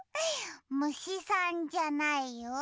むしさんじゃないよ。